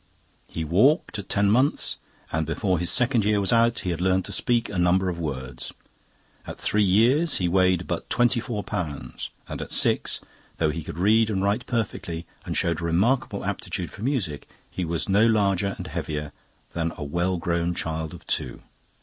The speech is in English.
He walked at ten months, and before his second year was out he had learnt to speak a number of words. At three years he weighed but twenty four pounds, and at six, though he could read and write perfectly and showed a remarkable aptitude for music, he was no larger and heavier than a well grown child of two.